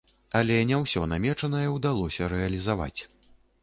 Але не ўсё намечанае ўдалося рэалізаваць.